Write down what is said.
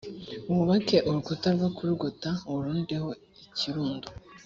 wubake urukuta rwo kuwugota uwurundeho ikirundo